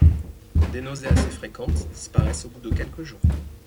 Des nausées assez fréquentes disparaissent au bout de quelques jours.